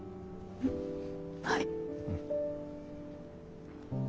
はい。